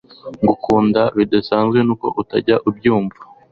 ngukunda bidasanzwe nuko utajya ubyumva